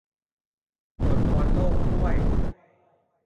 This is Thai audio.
อดบอลโลกด้วย